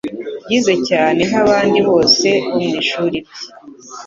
Yize cyane nkabandi bose bo mu ishuri rye